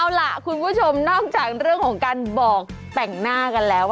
เอาล่ะคุณผู้ชมนอกจากเรื่องของการบอกแต่งหน้ากันแล้ว